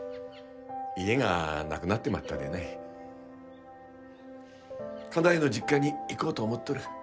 家がなくなってまったでね家内の実家に行こうと思っとる。